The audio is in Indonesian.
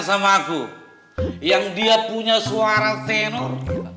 sama aku yang dia punya suara tenor